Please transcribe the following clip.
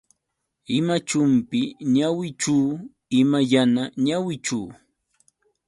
Ima chumpi ñawichu, ima yana ñawichu.